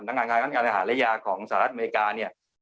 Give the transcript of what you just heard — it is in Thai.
งานการอาหารและยาของสหรัฐอเมริกาเนี่ย